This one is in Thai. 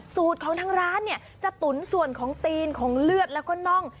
สูตรของทางร้านเนี่ยจะตุ๋นส่วนของตีนของเลือดแล้วก็น่อง